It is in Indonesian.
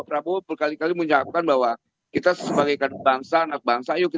prabowo berkali kali mengucapkan bahwa kita sebagai bangsa anak bangsa yuk kita